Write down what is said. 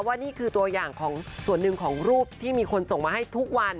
ว่านี่คือตัวอย่างของส่วนหนึ่งของรูปที่มีคนส่งมาให้ทุกวัน